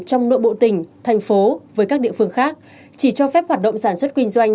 trong nội bộ tỉnh thành phố với các địa phương khác chỉ cho phép hoạt động sản xuất kinh doanh